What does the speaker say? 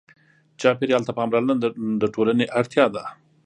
چاپېریال ته پاملرنه د ټولنې اړتیا ده.